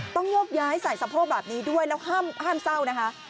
ต้องยกย้ายสัยสะโพธิ์แบบนี้ด้วยแล้วห้ามเศร้านะฮะ